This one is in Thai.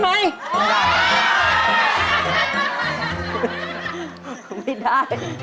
ไม่ได้